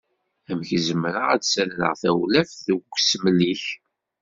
Amek zemreɣ ad d-ssadreɣ tawlaft deg usmel-ik?